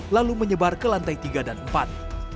lalu menyebar ke lantai tiga dan empat